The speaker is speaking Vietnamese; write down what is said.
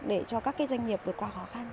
để cho các doanh nghiệp vượt qua khó khăn